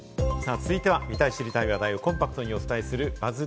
続いては、見たい、知りたい話題をコンパクトにお伝えするＢＵＺＺ